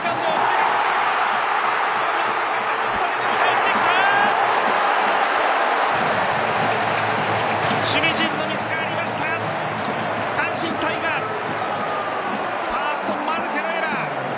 ファースト・マルテのエラー。